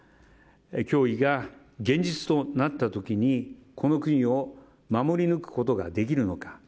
脅威が現実となった時にこの国を守り抜くことができるのか。